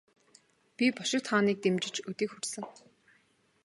Би бошигт хааныг дэмжиж өдий хүрсэн.